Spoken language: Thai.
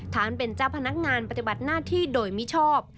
ฐานเป็นเจ้าพนักงานปฏิบัติหน้าที่โดยมิชอบ